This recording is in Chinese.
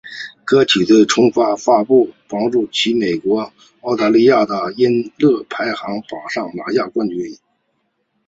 歌曲的重新发布帮助其在美国和澳大利亚的音乐排行榜上拿下冠军。